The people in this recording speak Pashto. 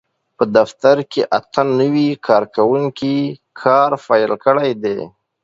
په دفتر کې اته نوي کارکوونکي کار پېل کړی دی.